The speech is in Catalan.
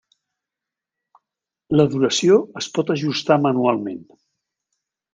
La duració es pot ajustar manualment.